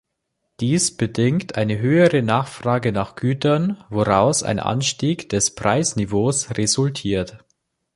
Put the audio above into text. Dies bedingt eine höhere Nachfrage nach Gütern, woraus ein Anstieg des Preisniveaus resultiert.